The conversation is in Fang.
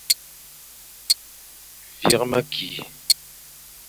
Vîkh mekî.